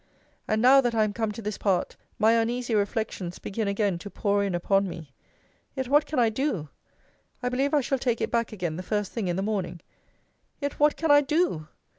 And now, that I am come to this part, my uneasy reflections begin again to pour in upon me. Yet what can I do? I believe I shall take it back again the first thing in the morning Yet what can I do?